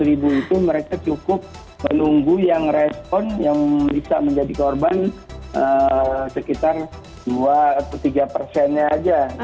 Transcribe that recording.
dari seratus itu mereka cukup menunggu yang respon yang bisa menjadi korban sekitar dua tiga nya aja